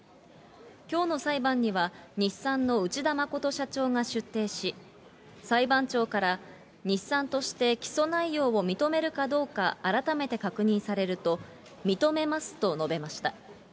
きょうの裁判には、日産の内田誠社長が出廷し、裁判長から、日産として起訴内容を認めるかどうか改めて確認されると、認めますと述べました。